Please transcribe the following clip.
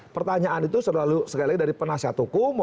pertanyaan itu selalu sekali lagi dari penasihat hukum